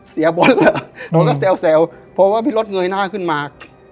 เสียบนแล้วผมก็แสวเพราะว่าพี่รถเงยหน้าขึ้นมา